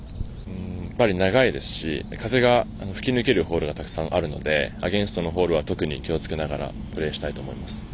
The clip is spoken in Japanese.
やっぱり長いですし風が吹き抜けるホールがたくさんあるのでアゲンストのホールは特に気をつけながらプレーしたいと思います。